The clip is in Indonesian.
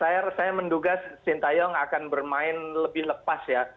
saya menduga sintayong akan bermain lebih lepas ya